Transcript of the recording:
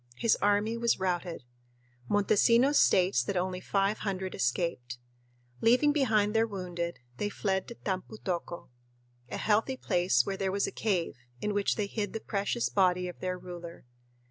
His army was routed. Montesinos states that only five hundred escaped. Leaving behind their wounded, they fled to "Tampu tocco," a healthy place where there was a cave, in which they hid the precious body of their ruler.